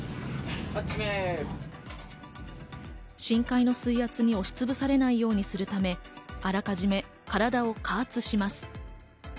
深海の水圧に押しつぶされないようにするため、あらかじめ体を加圧します。